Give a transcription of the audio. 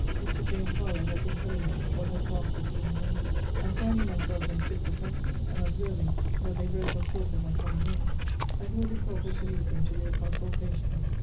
Mr. James Harlowe had been telling them what had passed between him and me. And, finding myself unfit for company, and observing, that they broke off talk at my coming in, I thought it proper to leave them to their consultations.